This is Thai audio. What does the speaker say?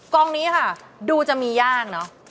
กองนี้ค่ะดูจะมีย่างเนอะ